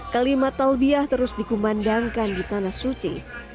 kalimat talbiah terus dikumandangkan di tanah suci